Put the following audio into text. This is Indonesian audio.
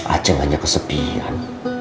a'at hanya kesepian